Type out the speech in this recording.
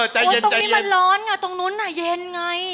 ตรงนี้มันร้อนตรงนู้นเย็นไง